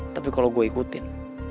tapi kalau gue ikutin